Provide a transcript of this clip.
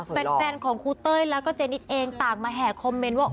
แฟนของครูเต้ยแล้วก็เจนิดเองต่างมาแห่คอมเมนต์ว่า